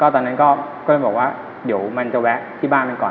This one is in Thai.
ตอนนั้นก็เลยบอกว่าเดี๋ยวมันจะแวะที่บ้านมันก่อน